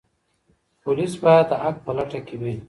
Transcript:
پولیس باید د حق په لټه کې وي.